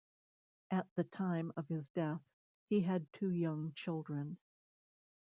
At the time of his death, he had two young children.